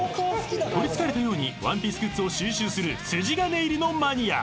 ［取りつかれたように『ワンピース』グッズを収集する筋金入りのマニア］